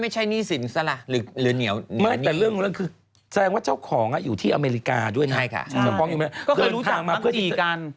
ใช่ไปช่วงซ้อมช่วงอะไรกันไป